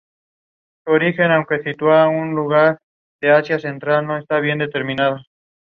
It is currently on display at the Yale University Art Gallery.